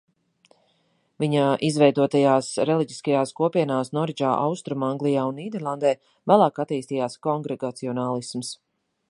Viņa izveidotajās reliģiskajās kopienās Noridžā, Austrumanglijā un Nīderlandē vēlāk attīstījās kongregacionālisms.